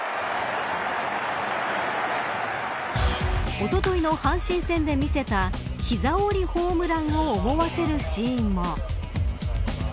おとといの阪神戦で見せた膝折りホームランを思わせるシーンも。